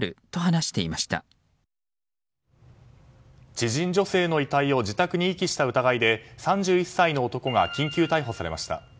知人女性の遺体を自宅に遺棄した疑いで３１歳の男が緊急逮捕されました。